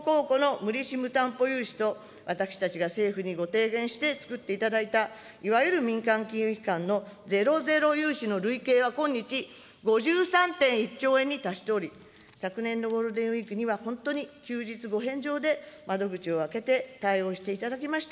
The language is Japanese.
無担保融資と私たちが政府にご提言してつくっていただいたいわゆる民間金融機関のゼロゼロ融資の累計は、今日、５３．１兆円に達しており、昨年のゴールデンウィークには、本当に休日を返上で窓口を開けて対応していただきました